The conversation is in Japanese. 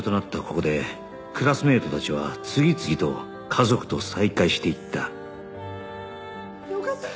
ここでクラスメートたちは次々と家族と再会していったよかった！